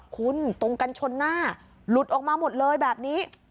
คุณตรงกันชนหน้าหลุดออกมาหมดเลยแบบนี้